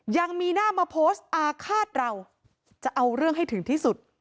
ยังมีหน้ามาโพสต์อาฆาตเราจะเอาเรื่องให้ถึงที่สุด